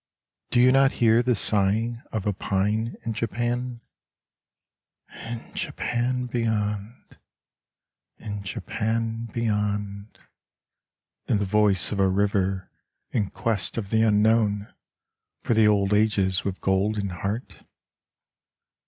Do you not hear the sighing of a pine in Japan, (In Japan beyond, in Japan beyond) In the voice of a river in quest of the Unknown, For the old ages with gold in heart